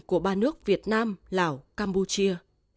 của ba nước việt nam lào campuchia